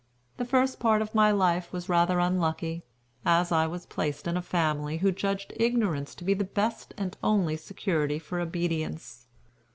The first part of my life was rather unlucky, as I was placed in a family who judged ignorance to be the best and only security for obedience.